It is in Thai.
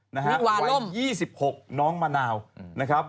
วัย๒๖น้องมะนาวนะครับ